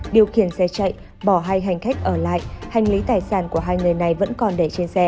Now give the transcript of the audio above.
điều khiển xe chạy bỏ hai hành khách ở lại hành lý tài sản của hai người này vẫn còn để trên xe